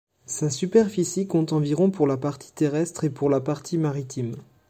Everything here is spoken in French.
Sa superficie compte environ pour la partie terrestre et pour la partie maritime.